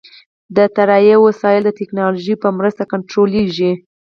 د طیارې وسایل د ټیکنالوژۍ په مرسته کنټرولېږي.